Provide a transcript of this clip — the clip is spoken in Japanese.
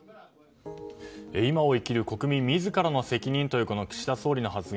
今を生きる国民自らの責任という岸田総理の発言。